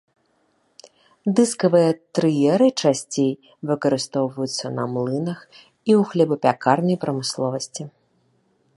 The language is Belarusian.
Дыскавыя трыеры часцей выкарыстоўваюцца на млынах і ў хлебапякарнай прамысловасці.